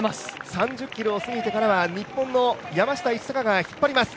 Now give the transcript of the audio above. ３０ｋｍを過ぎてからは日本の山下一貴が引っ張ります。